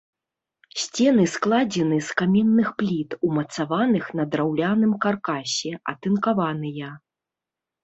Сцены складзены з каменных пліт, умацаваных на драўляным каркасе, атынкаваныя.